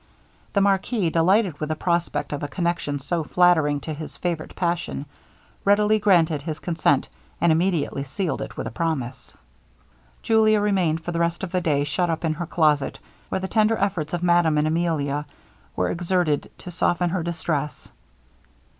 The marquis, delighted with the prospect of a connection so flattering to his favorite passion, readily granted his consent, and immediately sealed it with a promise. Julia remained for the rest of the day shut up in her closet, where the tender efforts of Madame and Emilia were exerted to soften her distress.